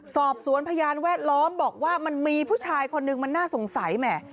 สอบสวนพยานแวดล้อมบอกว่ามันมีผู้ชายคนนึงมันน่าสงสัยแหม